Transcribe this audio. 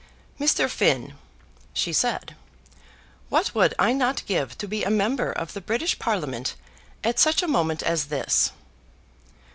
"Mr. Finn," she said, "what would I not give to be a member of the British Parliament at such a moment as this!"